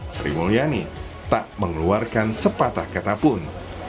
sri mulyani tak mengeluarkan sepatah kata pun